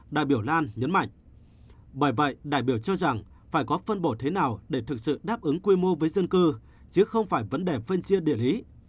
đại biểu lan nhấn mạnh bởi vậy đại biểu cho rằng phải có phân bổ thế nào để thực sự đáp ứng quy mô với dân cư chứ không phải vấn đề phân chia điện lý